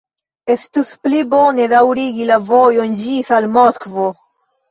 Estus pli bone daŭrigi la vojon ĝis al Moskvo!